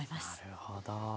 なるほど。